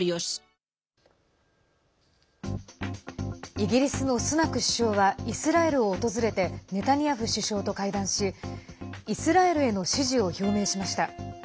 イギリスのスナク首相はイスラエルを訪れてネタニヤフ首相と会談しイスラエルへの支持を表明しました。